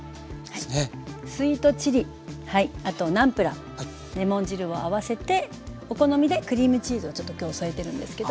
スイートチリあとナムプラーレモン汁を合わせてお好みでクリームチーズをちょっと今日添えてるんですけど。